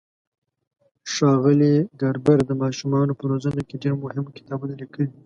ښاغلي ګاربر د ماشومانو په روزنه کې ډېر مهم کتابونه لیکلي.